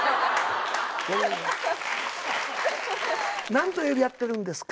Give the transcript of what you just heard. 何と呼び合ってるんですか？